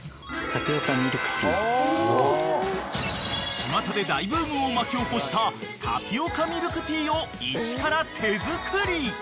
［ちまたで大ブームを巻き起こしたタピオカミルクティーを一から手作り］